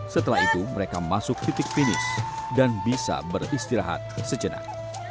setelah itu mereka masuk titik finish dan bisa beristirahat sejenak